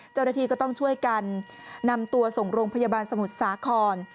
เจ้าหน้าที่ก็ต้องช่วยกันนำตัวส่งโรงพยาบาลสมุทรสาคร